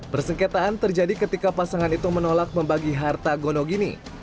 persengketaan terjadi ketika pasangan itu menolak membagi harta gonogini